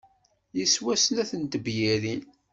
Yeswa snat n tebyirin.